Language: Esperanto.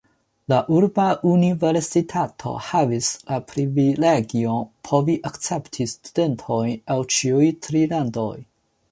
La urba universitato havis la privilegion povi akcepti studentojn el ĉiuj tri landoj.